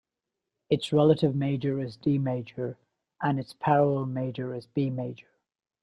Its relative major is D major, and its parallel major is B major.